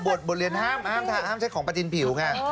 เออบทเรียนห้ามใช้ของปฏิหินผิวค่ะ